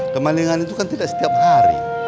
kemalingan itu kan tidak setiap hari